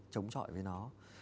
chống chọi với nó